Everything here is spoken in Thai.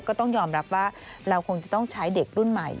ก็ต้องยอมรับว่าเราคงจะต้องใช้เด็กรุ่นใหม่